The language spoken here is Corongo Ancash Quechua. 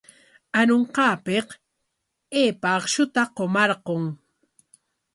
Arunqaapik aypa akshuta qumarqun.